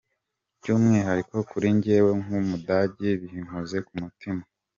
By’umwihariko kuri njyewe, nk’Umudage binkoze ku mutima.